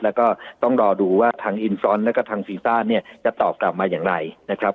แล้วก็ต้องรอดูว่าทางแล้วก็ทางเนี่ยจะตอบกลับมาอย่างไรนะครับ